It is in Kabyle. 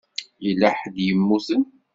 Yella ḥedd i yemmuten?